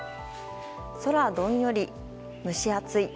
空どんより、蒸し暑い。